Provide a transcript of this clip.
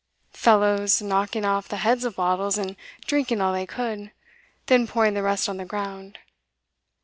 Fellows knocking off the heads of bottles, and drinking all they could, then pouring the rest on the ground.